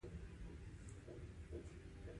د نوموړو مرستو پنځوس سلنه ناوړه کارونې لګول شوي.